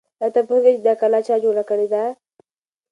آیا ته پوهېږې چې دا کلا چا جوړه کړې ده؟